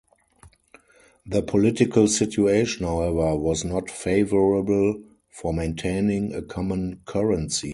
The political situation, however, was not favorable for maintaining a common currency.